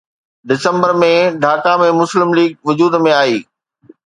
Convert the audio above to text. ڊسمبر ۾ ڍاڪا ۾ مسلم ليگ وجود ۾ آئي